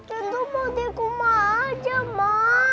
kenzo mau di rumah aja ma